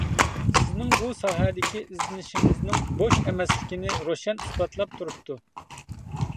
سىزنىڭ بۇ ساھەدىكى ئىزدىنىشىڭىزنىڭ بوش ئەمەسلىكىنى روشەن ئىسپاتلاپ تۇرۇپتۇ.